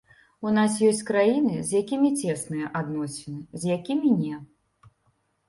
У нас ёсць краіны, з якімі цесныя адносіны, з якімі не.